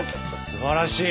すばらしい！